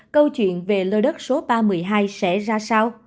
câu chuyện về lôi đất số ba mươi hai sẽ ra sao